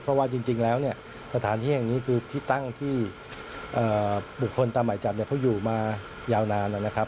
เพราะว่าจริงแล้วเนี่ยสถานที่แห่งนี้คือที่ตั้งที่บุคคลตามหมายจับเนี่ยเขาอยู่มายาวนานนะครับ